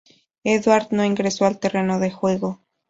Eduard no ingresó al terreno de juego.